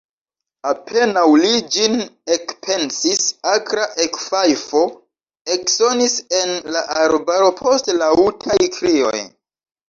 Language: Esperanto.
Apenaŭ li ĝin ekpensis, akra ekfajfo eksonis en la arbaro, poste laŭtaj krioj.